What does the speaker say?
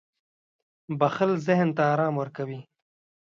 • بښل ذهن ته آرام ورکوي.